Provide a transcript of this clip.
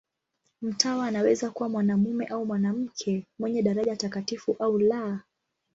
Mtawa anaweza kuwa mwanamume au mwanamke, mwenye daraja takatifu au la.